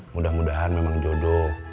mudah mudahan memang jodoh